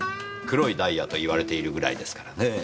黒いダイヤと言われているぐらいですからねぇ。